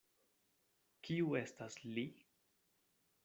Kiu estas li?